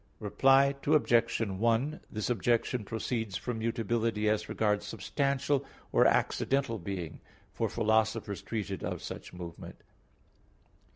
Reply Obj. 1: This objection proceeds from mutability as regards substantial or accidental being; for philosophers treated of such movement.